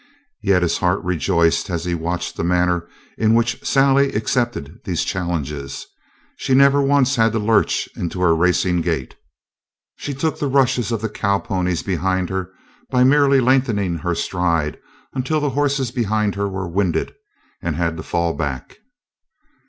Yet his heart rejoiced as he watched the manner in which Sally accepted these challenges. She never once had to lurch into her racing gait; she took the rushes of the cow ponies behind her by merely lengthening her stride until the horses behind her were winded and had to fall back.